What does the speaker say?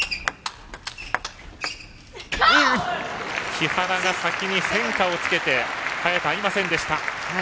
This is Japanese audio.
木原が先に変化をつけて早田、合いませんでした。